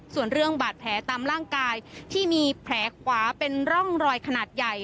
ส่วนเรื่องบาดแผลตามร่างกายที่มีแผลขวาเป็นร่องรอยขนาดใหญ่